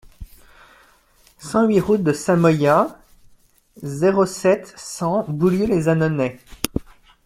cent huit route de Samoyas, zéro sept, cent, Boulieu-lès-Annonay